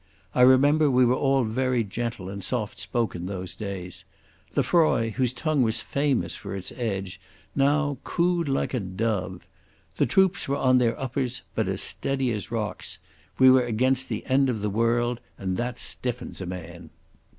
I remember we were all very gentle and soft spoken those days. Lefroy, whose tongue was famous for its edge, now cooed like a dove. The troops were on their uppers, but as steady as rocks. We were against the end of the world, and that stiffens a man....